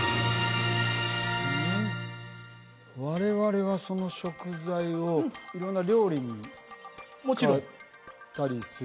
我々はその食材を色んな料理にもちろん使ったりする？